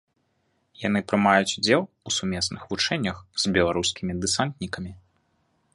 Яны прымаюць удзел у сумесных вучэннях з беларускімі дэсантнікамі.